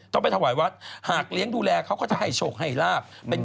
ต้องไปถวายวัดหากเลี้ยงดูแลเขาก็จะให้โชคให้ลาบ